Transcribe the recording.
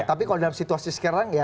tapi kalau dalam situasi sekarang ya